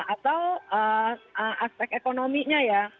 atau aspek ekonominya ya